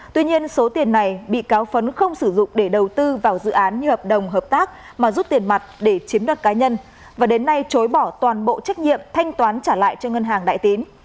tuy nhiên số tiền này bị cáo phấn không sử dụng để đầu tư vào dự án như hợp đồng hợp tác mà rút tiền mặt để chiếm đoạt cá nhân và đến nay chối bỏ toàn bộ trách nhiệm thanh toán trả lại cho ngân hàng đại tín